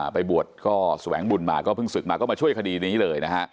ไปบวชก็แสวงบุญมาก็เพิ่งศึกมาก็มาช่วยคดีนี้เลยนะฮะ